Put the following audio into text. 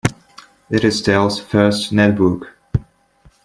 It is Dell's first netbook.